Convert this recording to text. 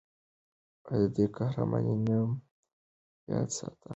د دې قهرمانې نوم یاد ساته.